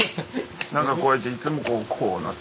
何かこうやっていつもこうなって。